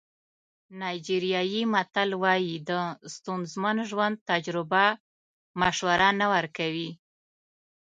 نایجیریایي متل وایي د ستونزمن ژوند تجربه مشوره نه ورکوي.